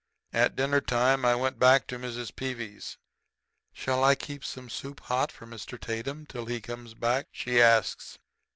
"At dinner time I went back to Mrs. Peevy's. "'Shall I keep some soup hot for Mr. Tatum till he comes back?' she asks.